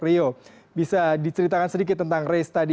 rio bisa diceritakan sedikit tentang race tadi